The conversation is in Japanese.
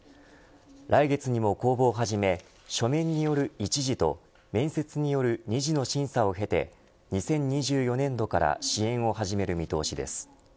来月にも公募を始め書面による１次と面接による２次の審査を経て２０２４年度から支援を始める見通しです。